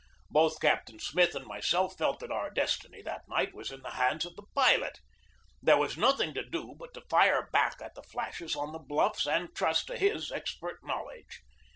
Both Captain Smith and myself felt that our destiny that night was in the hands of the pilot. There was nothing to do but to fire back at the flashes on the bluffs and trust to his expert knowledge.